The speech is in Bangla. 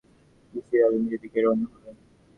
নিসার আলি সেদিকেই রওনা হলেন।